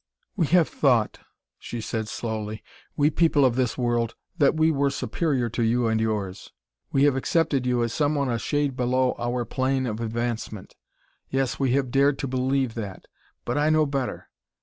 "We have thought," she said slowly, "we people of this world, that we were superior to you and yours; we have accepted you as someone a shade below our plane of advancement. Yes, we have dared to believe that. But I know better.